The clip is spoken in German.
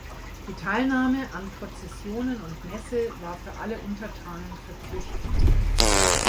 Die Teilnahme an Prozessionen und Messe war für alle Untertanen verpflichtend.